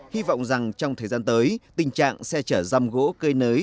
hy vọng rằng trong thời gian tới tình trạng xe chở răm gỗ cơi nới